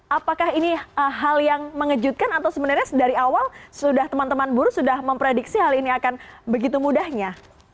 apakah ini hal yang mengejutkan atau sebenarnya dari awal sudah teman teman buruh sudah memprediksi hal ini akan begitu mudahnya